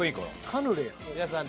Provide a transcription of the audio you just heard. カヌレやん。